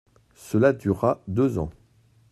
Cela dura deux ans.